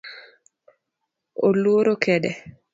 Oluoro kede